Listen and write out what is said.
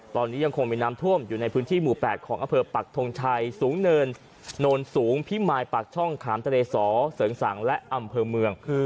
ตอนนี้ยังคงมีน้ำท่วมอยู่ในพื้นที่หมู่๘ของอำเภอปักทงชัยสูงเนินโนนสูงพิมายปากช่องขามทะเลสอเสริงสังและอำเภอเมือง